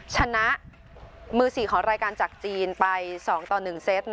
ชนะมือ๔ของรายการจากจีนไป๒ต่อ๑เซต